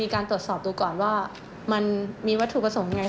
ก่อนว่ามันมีวัตถุผสมยังไง